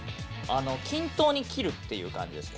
◆均等に切るっていう感じです。